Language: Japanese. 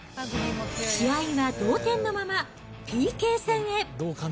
試合は同点のまま、ＰＫ戦へ。